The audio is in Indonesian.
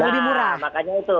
nah makanya itu